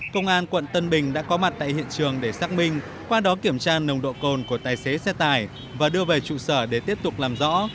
công an quận tân bình đã có mặt tại hiện trường để xác minh qua đó kiểm tra nồng độ cồn của tài xế xe tải và đưa về trụ sở để tiếp tục làm rõ